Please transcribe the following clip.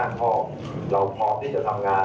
ก็เราพร้อมที่จะทำงาน